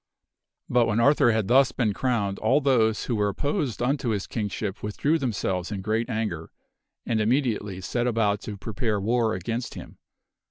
But when Arthur had thus been crowned, all those who were opposed unto his Kingship withdrew themselves in great anger, and immediately set about to prepare war against him.